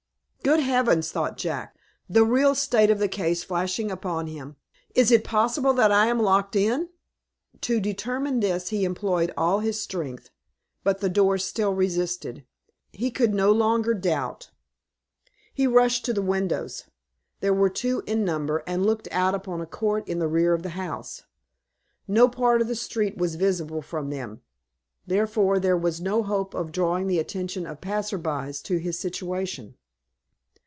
"Good heavens!" thought Jack, the real state of the case flashing upon him, "is it possible that I am locked in?" To determine this he employed all his strength, but the door still resisted. He could no longer doubt. He rushed to the windows. There were two in number, and looked out upon a court in the rear of the house. No part of the street was visible from them; therefore there was no hope of drawing the attention of passers by to his situation.